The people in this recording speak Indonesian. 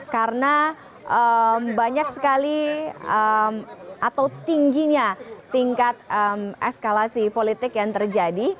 karena banyak sekali atau tingginya tingkat eskalasi politik yang terjadi